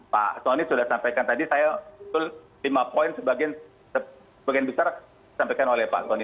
pak tony sudah sampaikan tadi saya lima poin sebagian besar disampaikan oleh pak tony